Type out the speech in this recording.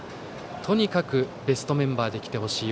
とにかくベストメンバーで来てほしい。